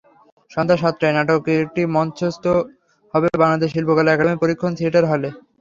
সন্ধ্যা সাতটায় নাটকটি মঞ্চস্থ হবে বাংলাদেশ শিল্পকলা একাডেমীর পরীক্ষণ থিয়েটার হলে।